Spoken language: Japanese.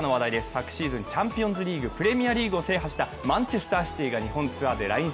昨シーズンチャンピオンズリーグ、プレミアリーグを制覇したマンチェスター・シティが日本ツアーで来日。